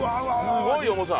すごい重さ。